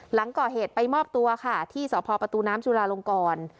หลังก่อเหตุไปมอบตัวค่ะที่สพประตูน้ำจุลาลงกร